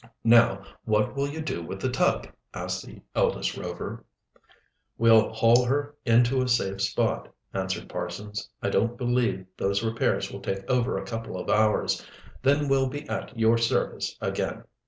"Now what will you do with the tug?" asked the eldest Rover. "We'll haul her in to a safe spot," answered Parsons. "I don't believe those repairs will take over a couple of hours. Then we'll be at your service again."